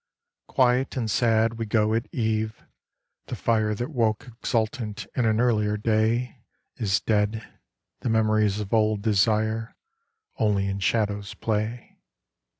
Quiet and sad we go at eve ; the fire That woke exultant in an earlier day Is dead ; the memories of old desire Only in shadows play.